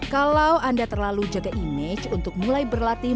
kalau anda terlalu jaga image untuk mulai berlatih